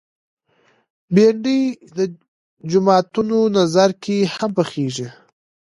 بېنډۍ د جوماتونو نذر کې هم پخېږي